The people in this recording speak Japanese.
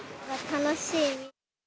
楽しい。